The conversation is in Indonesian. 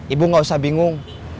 ibu gak usah bingung